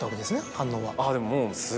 反応は。